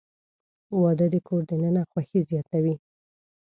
• واده د کور دننه خوښي زیاتوي.